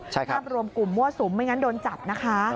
ใช่ครับมันรวมกลุ่มมั่วสุมไม่งั้นโดนจับนะคะ